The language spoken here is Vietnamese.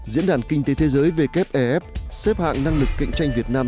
diễn đàn kinh tế thế giới wf xếp hạng năng lực cạnh tranh việt nam